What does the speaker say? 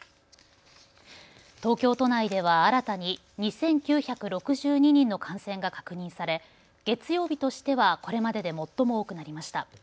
東京都内では新たに２９６２人の感染が確認され月曜日としてはこれまでで最も多くなりました。